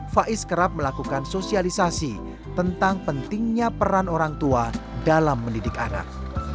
faiz kerap melakukan sosialisasi tentang pentingnya peran orang tua dalam mendidik anak